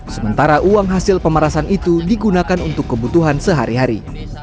sementara uang hasil pemerasan itu digunakan untuk kebutuhan sehari hari